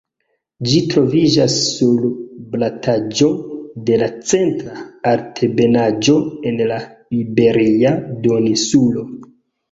Ĝi troviĝas sur plataĵo de la Centra Altebenaĵo en la Iberia duoninsulo.